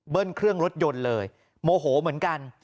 เครื่องรถยนต์เลยโมโหเหมือนกัน